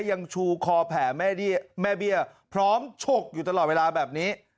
ยังชูคอแผลแม่เบี้ยพร้อมฉกอยู่ตลอดเวลาแบบนี้